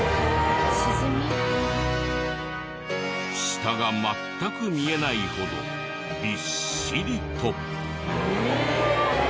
下が全く見えないほどビッシリと。